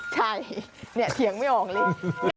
ใช่เนี่ยเถียงไม่ออกเลย